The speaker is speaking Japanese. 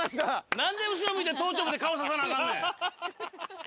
何で後ろ向いて頭頂部で顔指さなあかんねん。